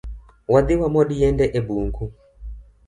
Wadhii wamod yiende e bung’u